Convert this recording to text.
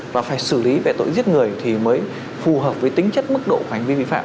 và phải xử lý về tội giết người thì mới phù hợp với tính chất mức độ của hành vi vi phạm